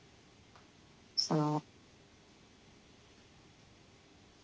その。